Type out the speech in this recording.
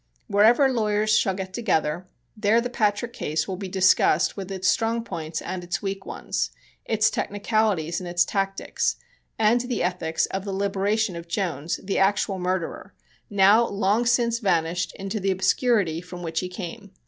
Wherever lawyers shall get together, there the Patrick case will be discussed with its strong points and its weak ones, its technicalities and its tactics, and the ethics of the liberation of Jones, the actual murderer, now long since vanished into the obscurity from which he came.